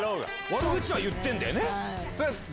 悪口は言ってんだよね？